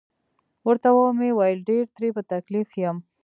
ورته مې وویل: ډیر ترې په تکلیف یم.